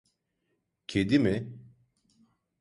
Kedi mi?